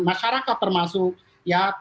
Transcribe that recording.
masyarakat termasuk ya